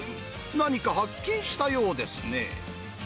何か発見したようですね。